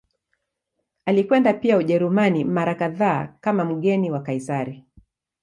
Alikwenda pia Ujerumani mara kadhaa kama mgeni wa Kaisari.